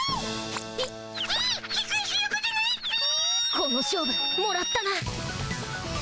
この勝負もらったな。